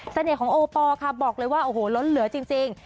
ของโอปอล์ค่ะบอกเลยว่าโอ้โหล้นเหลือจริง